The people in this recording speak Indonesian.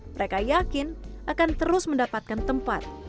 mereka yakin akan terus mendapatkan tempat